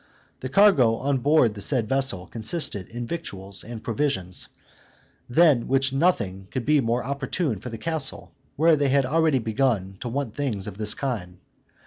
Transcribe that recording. The cargo on board the said vessel consisted in victuals and provisions, than which nothing could be more opportune for the castle, where they began already to want things of this kind.